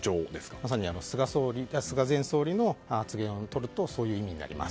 まさに菅前総理の発言をとるとそういう意味になります。